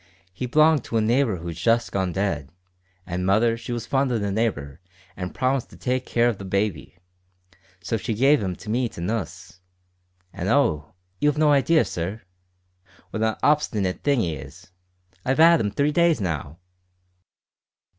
He b'longed to a neighbour who's just gone dead, an' mother she was fond o' the neighbour, an' promised to take care of the baby. So she gave 'im to me to nuss. An' oh! you've no hidea, sir, what a hobstinate thing 'e is. I've 'ad 'im three days now."